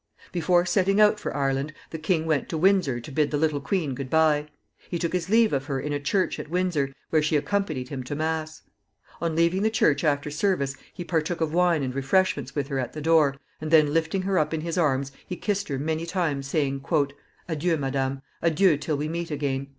Before setting out for Ireland, the king went to Windsor to bid the little queen good by. He took his leave of her in a church at Windsor, where she accompanied him to mass. On leaving the church after service, he partook of wine and refreshments with her at the door, and then lifting her up in his arms, he kissed her many times, saying, "Adieu, madame. Adieu till we meet again."